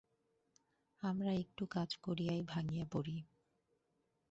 আমরা একটু কাজ করিয়াই ভাঙিয়া পড়ি।